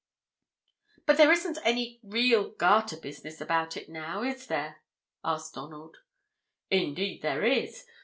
"But there isn't any real garter business about it now, is there?" asked Donald. "Indeed there is.